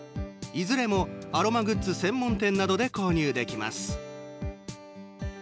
いずれもアロマグッズ専門店などで購入できます。